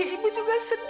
ibu nggak mau